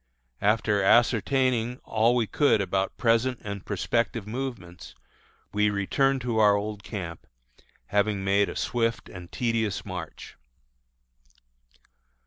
After ascertaining all we could about present and prospective movements, we returned to our old camp, having made a swift and tedious march.